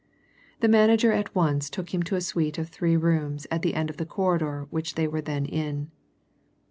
The manager at once took him to a suite of three rooms at the end of the corridor which they were then in.